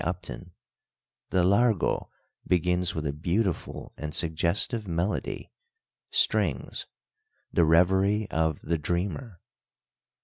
Upton, "the Largo begins with a beautiful and suggestive melody [strings] the revery of the dreamer."